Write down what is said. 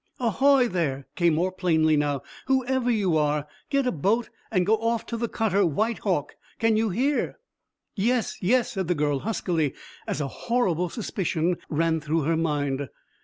"Ahoy there!" came more plainly now. "Whoever you are, get a boat, and go off to the cutter White Hawk. Can you hear?" "Yes, yes," said the girl huskily, as a horrible suspicion ran through her mind.